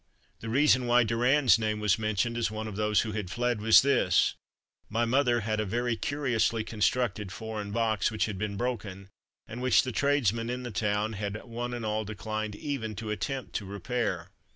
The reason why Durand's name was mentioned as one of those who had fled, was this: my mother had a very curiously constructed foreign box, which had been broken, and which the tradesmen in the town had one and all declined even to attempt to repair.